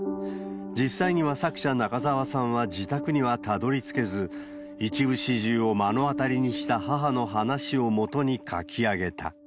実際には作者、中沢さんは自宅にはたどりつけず、一部始終を目の当たりにした母の話をもとに描き上げた。